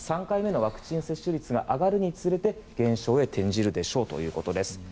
３回目のワクチン接種率が上がるにつれて、減少へ転じるでしょうということです。